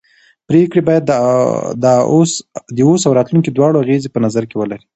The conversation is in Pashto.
پرېکړې باید د اوس او راتلونکي دواړو اغېزې په نظر کې ولري